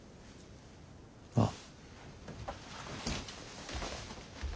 ああ。